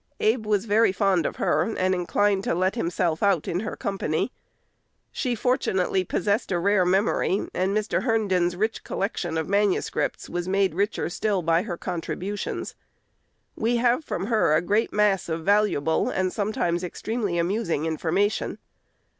Abe was very fond of her, and inclined to "let himself out" in her company. She fortunately possessed a rare memory, and Mr. Herndon's rich collection of manuscripts was made richer still by her contributions. We have from her a great mass of valuable, and sometimes extremely amusing, information.